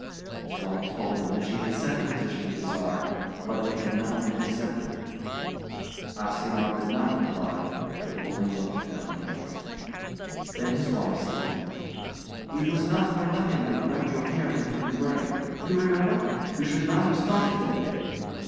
His wife told him that she had sent a petition to the Czar, but it had not been accepted. Aksionov did not reply, but only looked downcast. Then his wife said, "It was not for nothing I dreamt your hair had turned grey. You remember? You should not have started that day."